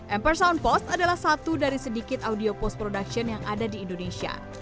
empersound post adalah satu dari sedikit audio post production yang ada di indonesia